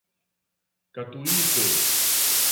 Catuípe